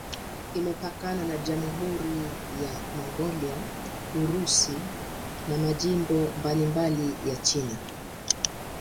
Imepakana na Jamhuri ya Mongolia, Urusi na majimbo mbalimbali ya China.